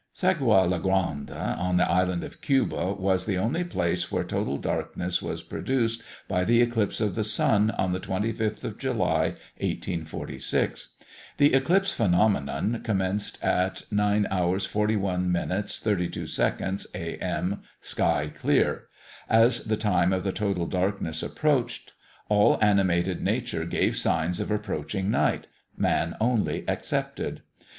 Sagua La Grande, on the island of Cuba, was the only place where total darkness was produced by the eclipse of the sun, on the 25th of July, 1846. The eclipse phenomenon commenced at 9h. 41m. 32s. a.m., sky clear. As the time of the total darkness approached, all animated nature gave signs of approaching night, man only excepted.